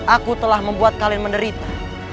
aku telah membuat kalian menderita